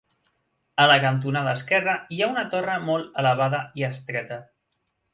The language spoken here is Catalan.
A la cantonada esquerra hi ha una torre molt elevada i estreta.